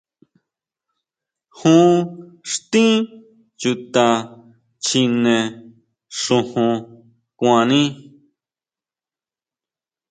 Jon xtín Chuta chjine xojon kuani.